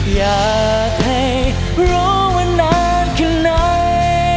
อยากให้รู้ว่านานแค่ไหน